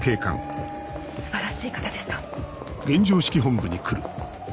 素晴らしい方でした。